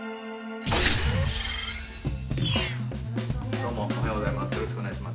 どうもおはようございます。